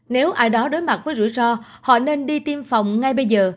nếu ai đó đối mặt với rủi ro họ nên đi tiêm phòng ngay bây giờ